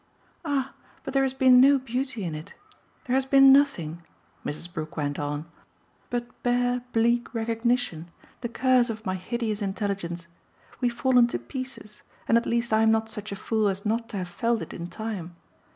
"Ah but there has been no beauty in it. There has been nothing," Mrs. Brook went on, "but bare bleak recognition, the curse of my hideous intelligence. We've fallen to pieces, and at least I'm not such a fool as not to have felt it in time.